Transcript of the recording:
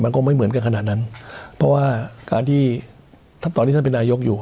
ก็ไม่เหมือนกันขนาดนั้นเพราะว่าการที่ตอนที่ท่านเป็นนายกอยู่